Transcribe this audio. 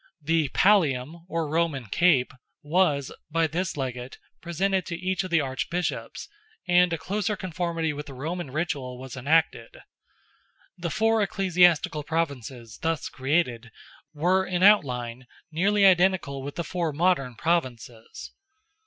The pallium, or Roman cape, was, by this Legate, presented to each of the Archbishops, and a closer conformity with the Roman ritual was enacted. The four ecclesiastical Provinces thus created were in outline nearly identical with the four modern Provinces.